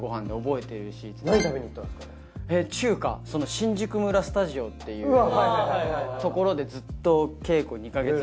新宿村スタジオっていうところでずっと稽古２か月くらい。